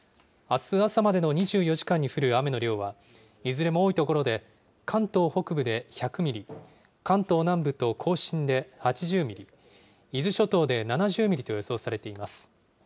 あす朝までの２４時間に降る雨の量は、いずれも多い所で、関東北部で１００ミリ、関東南部と甲信で８０ミリ、伊豆諸島で７０ミリと予想されています。